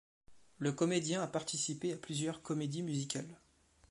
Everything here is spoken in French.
Le comédien a participé à plusieurs comédies musicales.